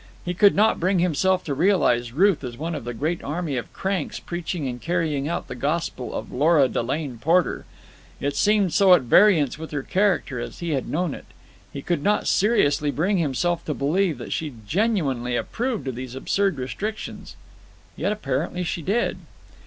He could not bring himself to realize Ruth as one of the great army of cranks preaching and carrying out the gospel of Lora Delane Porter. It seemed so at variance with her character as he had known it. He could not seriously bring himself to believe that she genuinely approved of these absurd restrictions. Yet, apparently she did.